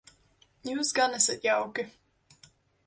Jūs gan esat jauki.